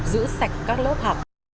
giữ sạch các lớp học